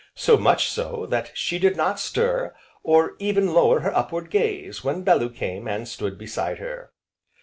So much so, that she did not stir, or even lower her up ward gaze, when Bellew came, and stood beside her.